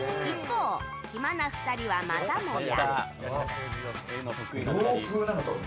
一方、暇な２人はまたもや。